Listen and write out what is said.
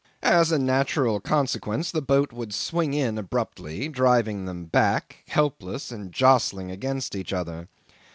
As a natural consequence the boat would swing in abruptly, driving them back, helpless and jostling against each other.